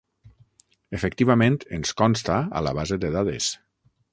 Efectivament ens consta a la base de dades.